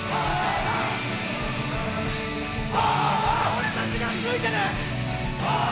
俺たちがついてる。